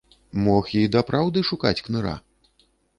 Мог і дапраўды шукаць кныра.